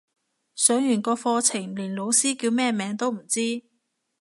上完成個課程連老師叫咩名都唔知